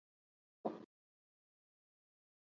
Εε nà ma jgba.